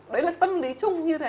đấy là tâm lý chung như thế